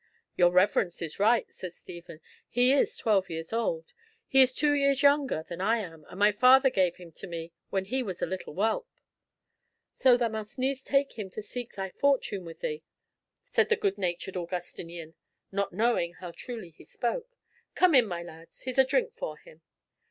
"Your reverence is right," said Stephen, "he is twelve years old. He is two years younger than I am, and my father gave him to me when he was a little whelp." "So thou must needs take him to seek thy fortune with thee," said the good natured Augustinian, not knowing how truly he spoke. "Come in, my lads, here's a drink for him.